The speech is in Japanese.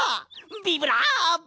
ビブラーボ！